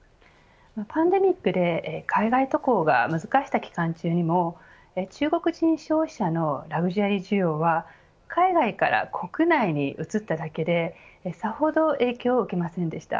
パンデミックで海外渡航が難しかった期間中でも中国人消費者のラグジュアリー需要は海外から国内に移っただけでさほど影響を受けませんでした。